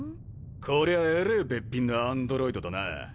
こりゃえれぇべっぴんのアンドロイドだな。